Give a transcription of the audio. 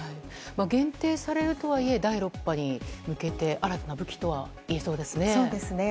限定されたとはいえ第６波に向けて新たな武器とはいえそうですね。